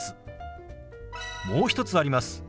もう一つあります。